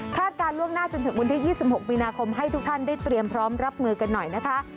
การล่วงหน้าจนถึงวันที่๒๖มีนาคมให้ทุกท่านได้เตรียมพร้อมรับมือกันหน่อยนะคะ